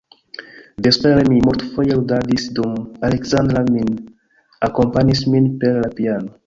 Vespere mi multfoje ludadis, dum Aleksandra min akompanis min per la piano.